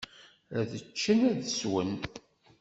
Ad teččem, ad teswem.